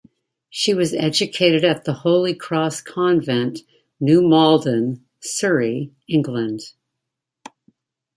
She was educated at the Holy Cross Convent, New Malden, Surrey, England.